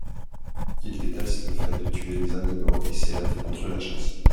Il déteste le fait de tuer les animaux et s’élève contre la chasse.